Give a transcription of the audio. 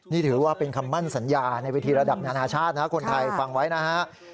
นี่ถือว่าเป็นคำมั่นสัญญาในวิธีระดับนานาชาตินะคนไทยฟังไว้นะฮะ